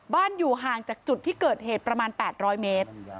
อยู่ห่างจากจุดที่เกิดเหตุประมาณ๘๐๐เมตร